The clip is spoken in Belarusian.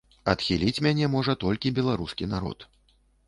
Адхіліць мяне можа толькі беларускі народ.